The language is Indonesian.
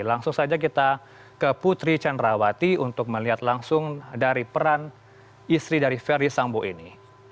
langsung saja kita ke putri cenrawati untuk melihat langsung dari peran istri dari ferdi sambo ini